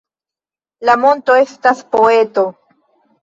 La monto estas poeto